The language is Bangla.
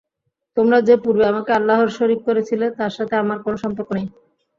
তোমরা যে পূর্বে আমাকে আল্লাহর শরীক করেছিলে তার সাথে আমার কোন সম্পর্ক নেই।